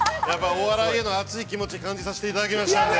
やっぱりお笑いへの熱い気持ちを感じさせていただきました。